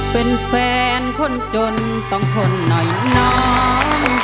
เป็นแฟนคนจนต้องทนหน่อยน้อง